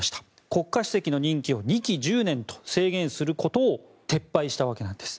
国家主席の任期を２期１０年と制限することを撤廃したわけなんです。